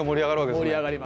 盛り上がります。